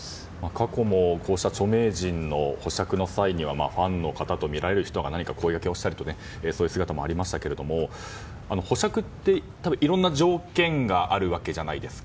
過去もこうした著名人の保釈の際にはファンの方とみられる方が声掛けをしたりとそういう姿もありましたけど保釈っていろんな条件があるわけじゃないですか。